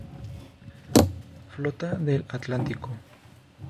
Flota del Atlántico.